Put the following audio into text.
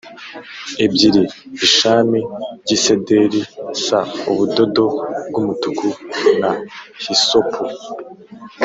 ebyiri b ishami ry isederi c ubudodo bw umutuku na hisopu